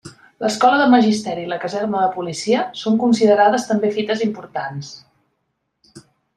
L'escola de Magisteri i la Caserna de Policia, són considerades també fites importants.